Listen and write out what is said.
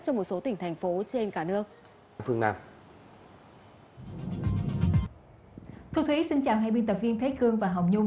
trong một số tỉnh thành phố trên cả nước